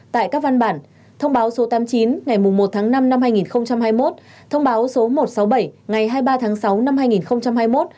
tại các văn bản thông báo số tám mươi chín ngày một tháng năm năm hai nghìn hai mươi một thông báo số một trăm sáu mươi bảy ngày hai mươi ba tháng sáu năm hai nghìn hai mươi một